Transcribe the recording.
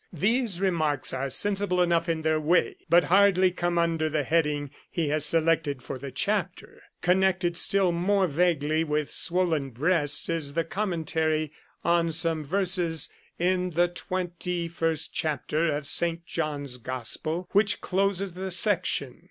These remarks are sensible enough in their way, but hardly come under the heading he has selected for the chapter. Connected still more vaguely with swollen breasts is the commentary on some verses in the twenty 127 Curiosities of Olden Times first chapter of St. John's Gospel, which closes the section.